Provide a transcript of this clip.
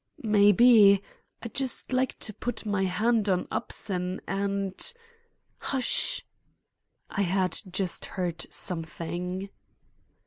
"Maybe. I'd just like to put my hand on Upson and—" "Hush!" I had just heard something.